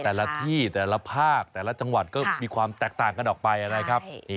แต่ละที่แต่ละภาคแต่ละจังหวัดก็มีความแตกต่างกันออกไปนะครับ